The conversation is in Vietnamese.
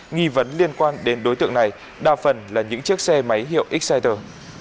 nghi vấn liên quan đến đối tượng này đa phần là những chiếc xe máy hiệu exciter